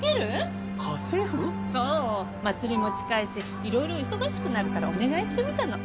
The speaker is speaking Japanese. そう祭りも近いしいろいろ忙しくなるからお願いしてみたの。